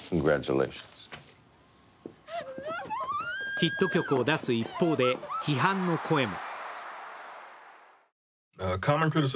ヒットを曲を出す一方で批判の声も。